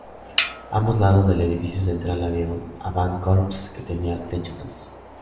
A ambos lados del edificio central había un "Avant-corps" que tenía techos altos.